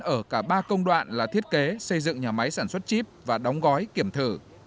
ở cả ba công đoạn là thiết kế xây dựng nhà máy sản xuất chip và đóng gói kiểm thử